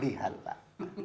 jadi saya berpikir pak